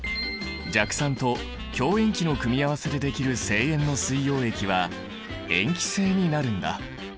弱酸と強塩基の組み合わせでできる正塩の水溶液は塩基性になるんだ。